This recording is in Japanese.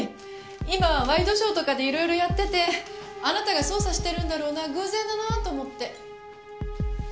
今ワイドショーとかでいろいろやっててあなたが捜査してるんだろうな偶然だなと思って。